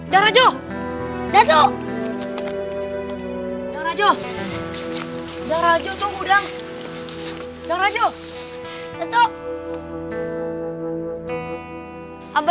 jangan ikuti atuk lagi